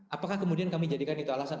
apakah kemudian kami jadikan itu alasan